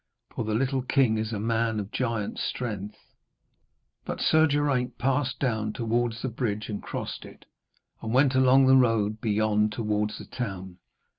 For the little king is a man of giant strength.' But Sir Geraint passed down towards the bridge and crossed it, and went along the road beyond towards the town.